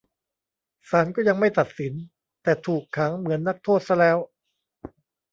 ศาลก็ยังไม่ตัดสิน แต่ถูกขังเหมือนนักโทษซะแล้ว